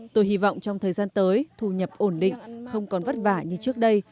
tôi hy vọng trong thời gian tới thu nhập ổn định không còn vất vả như trước đây